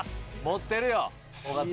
持ってるよ尾形。